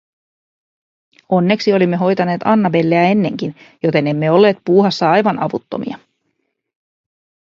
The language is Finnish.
Onneksi olimme hoitaneet Annabelleä ennenkin, joten emme olleet puuhassa aivan avuttomia.